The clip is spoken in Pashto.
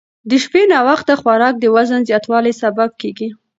د شپې ناوخته خوراک د وزن زیاتوالي سبب کېږي.